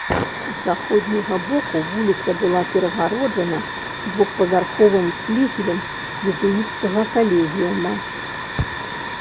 З заходняга боку вуліца была перагароджана двухпавярховым флігелем езуіцкага калегіума.